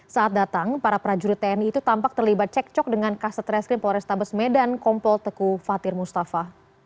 saat datang para prajurit tni itu tampak terlibat cekcok dengan kaset reskrim polrestabes medan kompol teku fatir mustafa